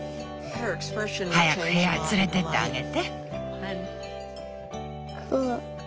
早く部屋へ連れてってあげて。